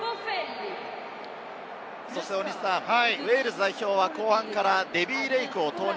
ウェールズ代表は後半からデヴィ・レイクを投入。